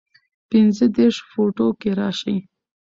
پنځۀدېرش فوټو کښې راشي